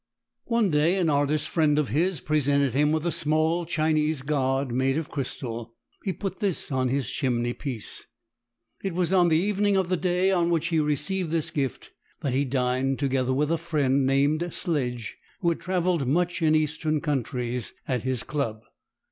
One day an artist friend of his presented him with a small Chinese god made of crystal; he put this on his chimney piece. It was on the evening of the day on which he received this gift that he dined, together with a friend named Sledge who had travelled much in Eastern countries, at his club.